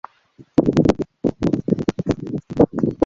Studis juron kaj historion.